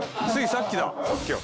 さっきや。